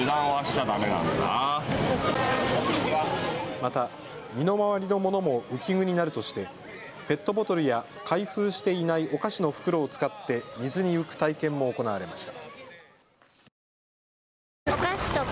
また身の回りのものも浮き具になるとしてペットボトルや開封していない、お菓子の袋を使って水に浮く体験も行われました。